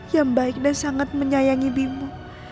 yang baik dan sangat menyayangi bimo